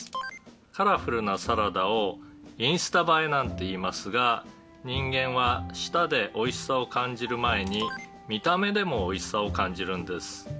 「カラフルなサラダを“インスタ映え”なんて言いますが人間は舌でおいしさを感じる前に見た目でもおいしさを感じるんです」